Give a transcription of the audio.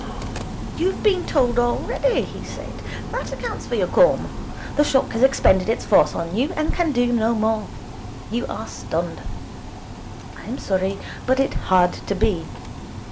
'You have been told already?' he said. 'That accounts for your calm. The shock has expended its force on you, and can do no more. You are stunned. I am sorry, but it had to be.